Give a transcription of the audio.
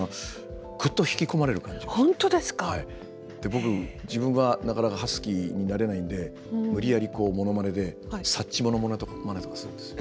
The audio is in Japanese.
僕自分はなかなかハスキーになれないんで無理やりこうものまねでサッチモのものまねとかするんです。